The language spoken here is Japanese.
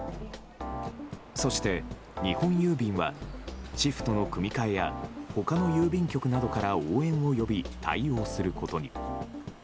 そして、日本郵便はシフトの組み替えや他の郵便局などから応援を呼び対応することに。